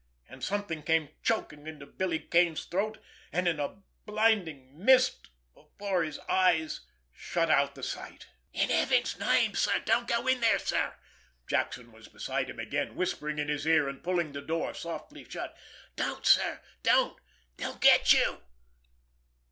And something came choking into Billy Kane's throat, and a blinding mist before his eyes shut out the sight. "In Heaven's name, don't go in there, sir!" Jackson was beside him again, whispering in his ear, and pulling the door softly shut. "Don't, sir—don't go—they'll get you!"